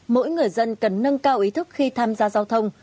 mỗi người dân cần nâng cao ý thức khi tham gia giao thông